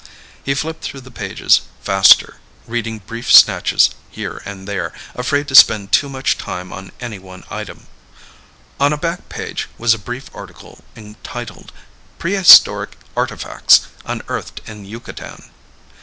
He flipped through the pages faster, reading brief snatches here and there, afraid to spend too much time on any one item. On a back page was a brief article entitled, "Prehistoric Artifacts Unearthed In Yucatan".